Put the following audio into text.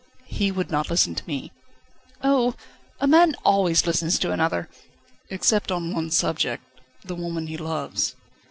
"He would not listen to me." "Oh! a man always listens to another." "Except on one subject the woman he loves."